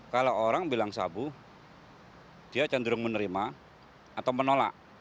kalau orang bilang sabu dia cenderung menerima atau menolak